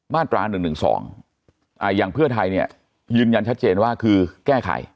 มาตรา๑๑๒อย่างเพื่อไทยเนี่ยยืนยันชัดเจนว่าคือแก้ไข